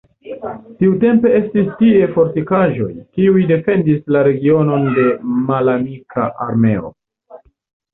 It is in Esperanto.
Tiutempe estis tie fortikaĵoj, kiuj defendis la regionon de malamika armeo.